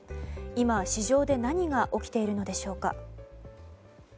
今、市場で何が起きているのでしょうか。